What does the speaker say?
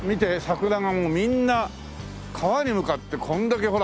桜がもうみんな川に向かってこんだけほら。